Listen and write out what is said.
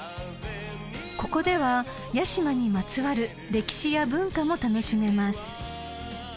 ［ここでは屋島にまつわる歴史や文化も楽しめます］